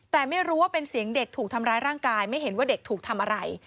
แต่ไม่รู้ว่าเป็นเสียงเด็กถูกทำร้ายร่างกายไม่เห็นว่าเด็กถูกทำอะไร